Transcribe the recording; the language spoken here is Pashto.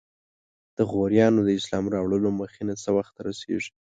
د غوریانو د اسلام راوړلو مخینه څه وخت ته رسیږي؟